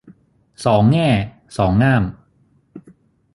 สองแง่สองง่าม